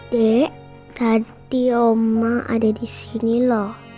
de tadi oma ada di sini loh